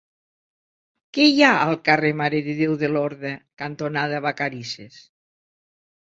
Què hi ha al carrer Mare de Déu de Lorda cantonada Vacarisses?